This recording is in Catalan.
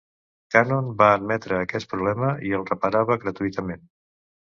Canon va admetre aquest problema i el reparava gratuïtament.